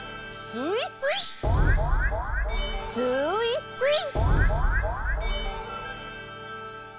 スイスイ！